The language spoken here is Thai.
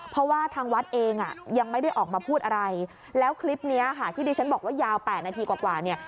เพราะว่าทางวัดเองอ่ะยังไม่ได้ออกมาพูดอะไรแล้วคลิปนี้ค่ะที่ดิฉันบอกว่ายาว๘นาทีกว่าเนี่ย